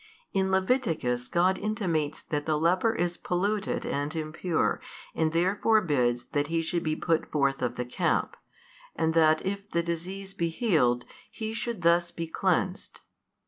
In Leviticus God intimates that the leper is polluted and impure and therefore bids that he should be put forth of the camp, and that if the disease be healed, he should thus be cleansed.